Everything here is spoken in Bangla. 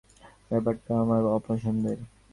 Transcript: তুমি আড়ি পেতে কথা শুনছিলে এ ব্যাপারটিও আমার অপছন্দের।